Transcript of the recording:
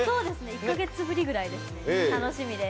１か月ぶりぐらいです、楽しみです。